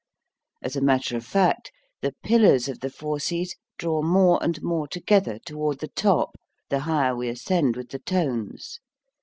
As a matter of fact the pillars of the fauces draw more and more together toward the top the higher we ascend with the tones.